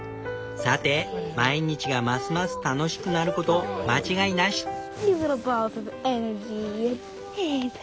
さて毎日がますます楽しくなること間違いなし！